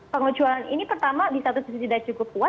pengecualian ini pertama di satu sisi tidak cukup kuat